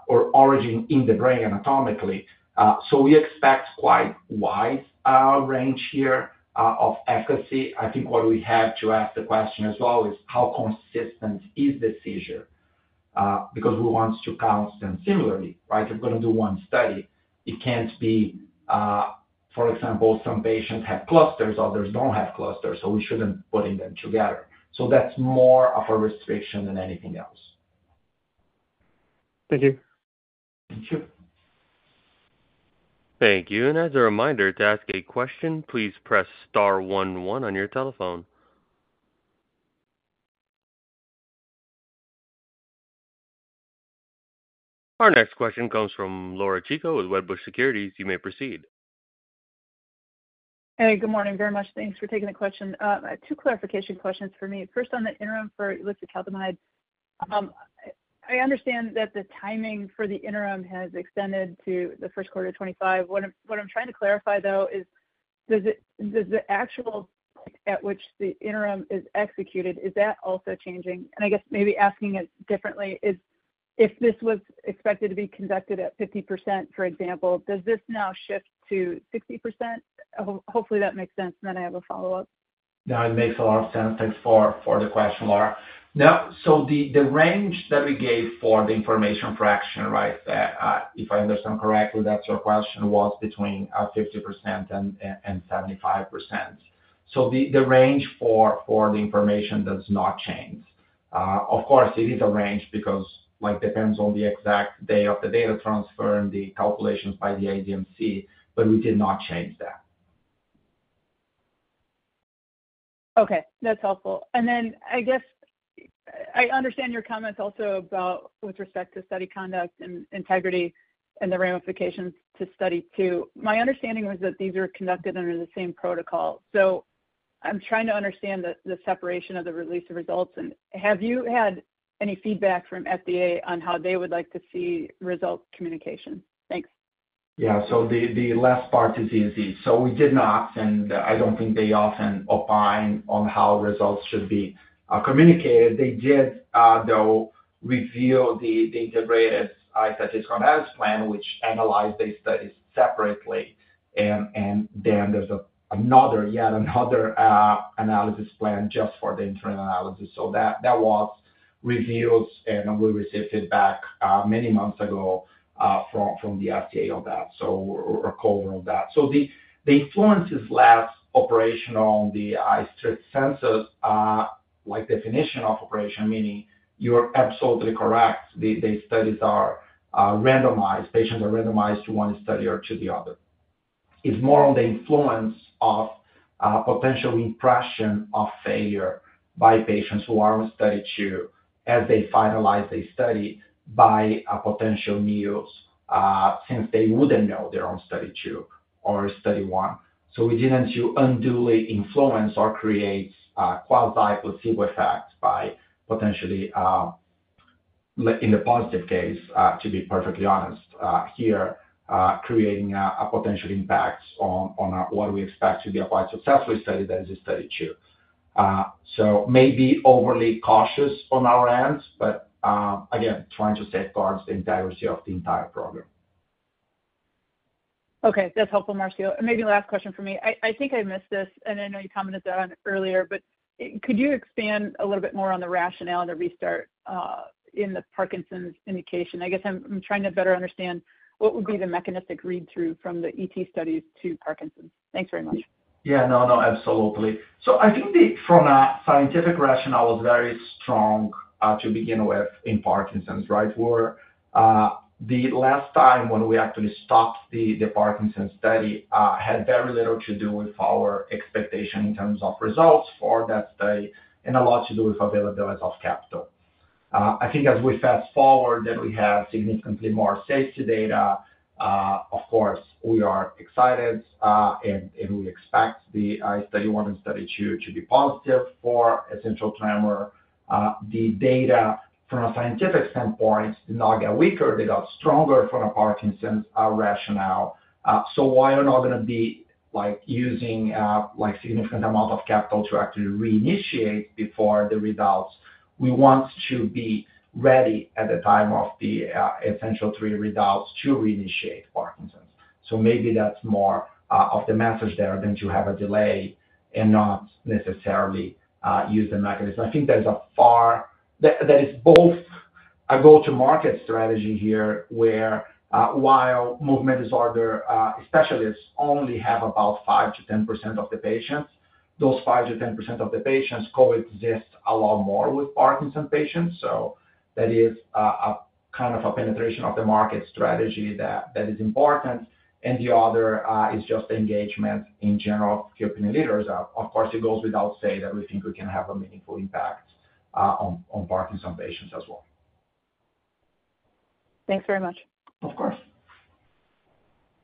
S3: or origin in the brain anatomically. So we expect quite wide range here of efficacy. I think what we have to ask the question as well is how consistent is the seizure because we want to counsel them similarly, right? If we're going to do one study, it can't be, for example, some patients have clusters, others don't have clusters, so we shouldn't put them together. So that's more of a restriction than anything else.
S13: Thank you. Thank you.
S1: Thank you. And as a reminder, to ask a question, please press star one one on your telephone. Our next question comes from Laura Chico with Wedbush Securities. You may proceed.
S14: Hey, good morning. Very much. Thanks for taking the question. Two clarification questions for me. First, on the interim for ulixacaltamide, I understand that the timing for the interim has extended to the first quarter of 2025. What I'm trying to clarify, though, is does the actual at which the interim is executed, is that also changing? And I guess maybe asking it differently, if this was expected to be conducted at 50%, for example, does this now shift to 60%? Hopefully, that makes sense. And then I have a follow-up.
S3: That makes a lot of sense. Thanks for the question, Laura. So the range that we gave for the information fraction, right, if I understand correctly, that's your question, was between 50% and 75%. So the range for the information does not change. Of course, it is a range because it depends on the exact day of the data transfer and the calculations by the iDMC, but we did not change that. Okay.
S14: That's helpful. And then I guess I understand your comments also about with respect to study conduct and integrity and the ramifications to study two. My understanding was that these are conducted under the same protocol. So I'm trying to understand the separation of the release of results. And have you had any feedback from FDA on how they would like to see result communication?
S3: Thanks. Yeah. So the last part is easy. So we did not, and I don't think they often opine on how results should be communicated. They did, though, review the integrated statistical analysis plan, which analyzed these studies separately. And then there's yet another analysis plan just for the internal analysis. So that was reviewed, and we received feedback many months ago from the FDA on that or FDA on that. So the influence is less operational on the integrity assessment definition of operation, meaning you're absolutely correct. The studies are randomized. Patients are randomized to one study or to the other. It's more on the influence of potential impression of failure by patients who are on study two as they finalize the study by potential need less since they wouldn't know they're on study two or study one. So we didn't unduly influence or create quasi-placebo effects by potentially, in the positive case, to be perfectly honest here, creating a potential impact on what we expect to be a quite successful study that is a study two. So maybe overly cautious on our end, but again, trying to safeguard the integrity of the entire program.
S14: Okay. That's helpful, Marcio, and maybe last question for me. I think I missed this, and I know you commented on it earlier, but could you expand a little bit more on the rationale and the restart in the Parkinson's indication? I guess I'm trying to better understand what would be the mechanistic read-through from the ET studies to Parkinson's. Thanks very much.
S3: Yeah. No, no, absolutely. So I think from a scientific rationale was very strong to begin with in Parkinson's, right? The last time when we actually stopped the Parkinson's study had very little to do with our expectation in terms of results for that study and a lot to do with availability of capital. I think as we fast forward, then we have significantly more safety data. Of course, we are excited, and we expect the study one and study two to be positive for essential tremor. The data from a scientific standpoint did not get weaker. They got stronger from a Parkinson's rationale. So why are we not going to be using a significant amount of capital to actually reinitiate before the results? We want to be ready at the time of the Essential3 results to reinitiate Parkinson's. So maybe that's more of the message there than to have a delay and not necessarily use the mechanism. I think there's a factor that is both a go-to-market strategy here where while movement disorder specialists only have about 5%-10% of the patients, those 5%-10% of the patients coexist a lot more with Parkinson's patients. So that is kind of a penetration of the market strategy that is important. And the other is just engagement in general of few opinion leaders. Of course, it goes without saying that we think we can have a meaningful impact on Parkinson's patients as well.
S14: Thanks very much. Of course.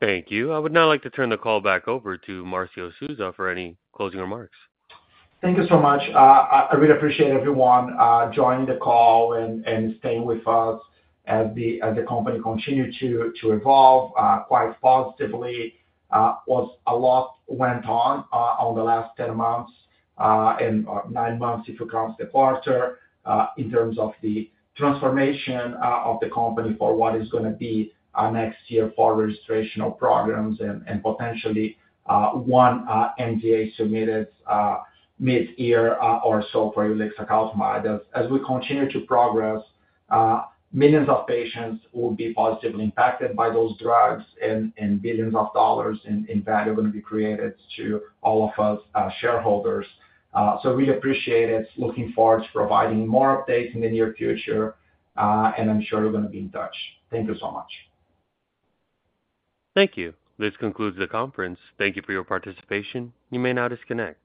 S1: Thank you. I would now like to turn the call back over to Marcio Souza for any closing remarks.
S3: Thank you so much. I really appreciate everyone joining the call and staying with us as the company continued to evolve quite positively. A lot went on in the last 10 months and nine months, if you count the quarter, in terms of the transformation of the company for what is going to be next year for registration of programs and potentially one NDA submitted mid-year or so for ulixacaltamide. As we continue to progress, millions of patients will be positively impacted by those drugs, and billions of dollars in value are going to be created to all of us shareholders, so we appreciate it. Looking forward to providing more updates in the near future, and I'm sure we're going to be in touch.
S1: Thank you so much. Thank you. This concludes the conference. Thank you for your participation. You may now disconnect.